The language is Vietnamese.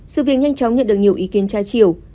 sự việc nhanh chóng nhận được nhiều ý kiến trái chiều